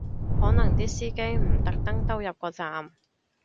可能啲司機唔特登兜入個站